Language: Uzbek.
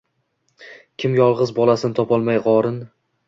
Kim yolg’iz bolasin topolmay go’rin